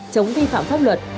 chống vi phạm pháp luật